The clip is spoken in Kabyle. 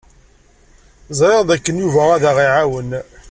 Ẓriɣ dakken Yuba ad aɣ-iɛawen.